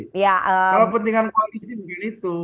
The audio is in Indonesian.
kalau kepentingan koalisi mungkin itu